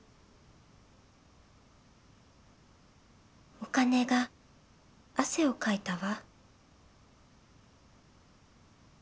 「お金が汗をかいたわ」。